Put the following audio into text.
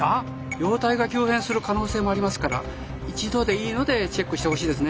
容体が急変する可能性もありますから一度でいいのでチェックしてほしいですね！